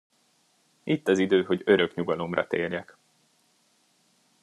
Itt az idő, hogy örök nyugalomra térjek.